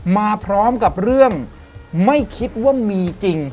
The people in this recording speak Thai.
มาพร้อมกับเรื่องไม่คิดว่ามีจริง